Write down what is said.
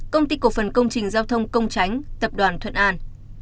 công ty cổ phần công trình giao thông công tránh tập đoàn thuận an